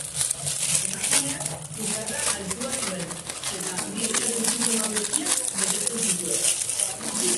Emakumeak sukarra altua zuen eta birusaren sintoma guztiak betetzen zituen.